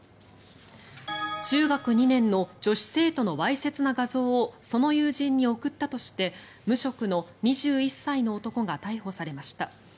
中学２年の女子生徒のわいせつな画像をその友人に送ったとして無職の２１歳の男が逮捕されました。